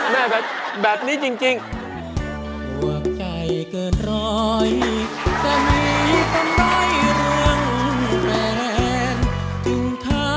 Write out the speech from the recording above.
แม่แบบนี้จริง